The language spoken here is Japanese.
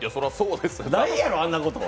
ないやろ、あんなこと。